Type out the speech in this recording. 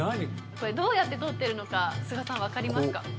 これどうやって撮ってるのか須賀さん分かりますか？